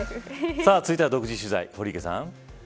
続いては独自取材、堀池さん。